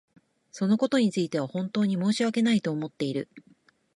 そのことについては本当に申し訳ないと思っている。